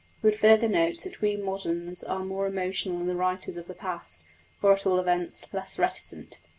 He would further note that we moderns are more emotional than the writers of the past, or, at all events, less reticent.